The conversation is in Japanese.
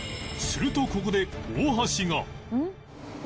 するとここで大橋が